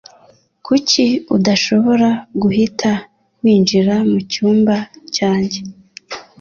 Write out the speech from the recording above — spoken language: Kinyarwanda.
Kuki udashobora guhita winjira mucyumba cyanjye